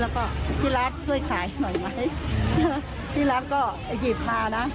แล้วก็พี่รัฐช่วยขายหน่อยไหมพี่รัฐก็หยิบมานะ